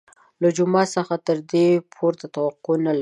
له جومات څخه تر دې پورته توقع نه لري.